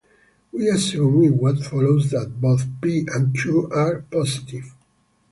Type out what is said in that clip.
We assume in what follows that both "p" and "q" are positive.